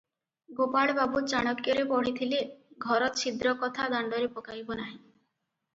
ଗୋପାଳବାବୁ ଚାଣକ୍ୟରେ ପଢ଼ିଥିଲେ, ଘର ଛିଦ୍ର କଥା ଦାଣ୍ଡରେ ପକାଇବ ନାହିଁ ।